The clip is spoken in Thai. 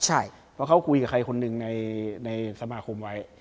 ใช่เพราะเขาคุยกับใครคนหนึ่งในสมาคมไว้